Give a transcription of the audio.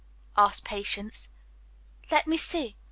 asked Patience. "Let me see.